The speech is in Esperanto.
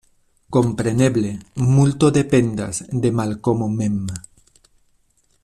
Kompreneble multo dependas de Malkomo mem.